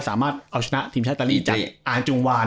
สามารถเอาชนะทีมชาติอิตาลีจากอาร์จุงวาน